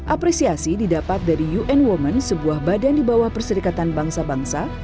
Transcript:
apresiasi didapat dari un women sebuah badan di bawah perserikatan bangsa bangsa